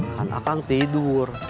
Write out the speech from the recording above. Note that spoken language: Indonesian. kan akang tidur